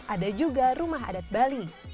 ada juga rumah adat bali